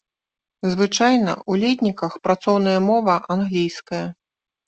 Звычайна ў летніках працоўная мова англійская.